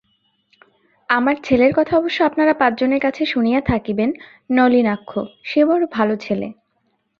আমার ছেলের কথা অবশ্য আপনারা পাঁচজনের কাছে শুনিয়া থাকিবেন-নলিনাক্ষ— সে বড়ো ভালো ছেলে।